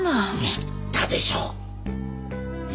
言ったでしょう。